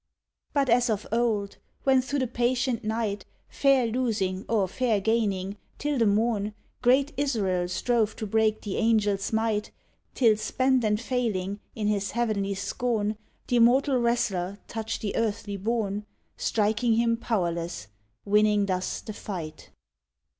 But as of old, when through the patient night, Fair losing or fair gaining, till the morn, Great Israel strove to break the angel's might, Till spent and failing, in his heavenly scorn, Th' immortal wrestler touched the earthly born, Striking him powerless, winning thus the fight.